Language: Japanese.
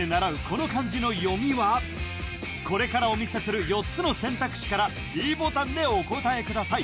これからお見せする４つの選択肢からｄボタンでお答えください